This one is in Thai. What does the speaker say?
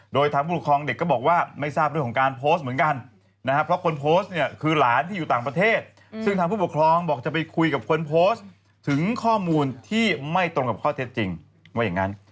โดยทางผู้ปกครองเด็กก็บอกว่าไม่ทราบเรื่องของการโพสต์เหมือนกันนะครับเพราะคนโพสต์เนี่ยคือหลานที่อยู่ต่างประเทศซึ่งทางผู้ปกครองบอกจะไปคุยกับคนโพสต์ถึงข้อมูลที่ไม่ตรงกับข้อเท็จจริงว่าอย่างนั้น